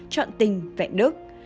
trọn tình vẹn đức